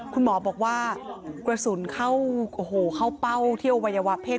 คุณหมอบอกว่ากระสุนเข้าโอ้โหเข้าเป้าเที่ยวอวัยวะเพศ